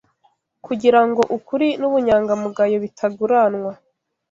kugira ngo ukuri n’ubunyangamugayo bitaguranwa